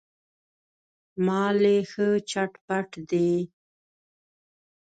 مال یې ښه چت پت دی.